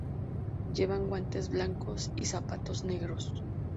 Llevan guantes blancos y zapatos negros.